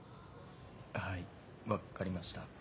はい分かりました。